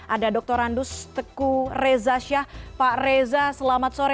ada dr randus teku reza syah pak reza selamat sore